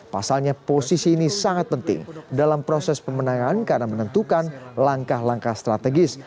pasalnya posisi ini sangat penting dalam proses pemenangan karena menentukan langkah langkah strategis